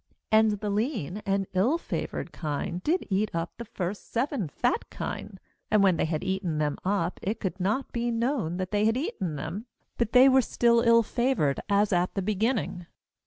20And the lean and ill favoured kine did eat up the first seven fat kine. aAnd when they had eaten them up, it could not be known that they had eaten them; but they were still ill favoured as at the be ginning.